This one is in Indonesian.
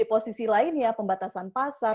posisi lainnya pembatasan pasar